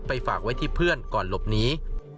ฝากไว้ที่เพื่อนก่อนหลบหนี